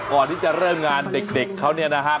ก่อนที่จะเริ่มงานเด็กเขาเนี่ยนะครับ